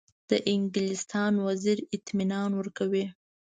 د انګلستان وزیر اطمینان ورکړی.